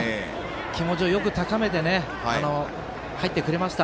気持ちをよく高めて入ってくれました。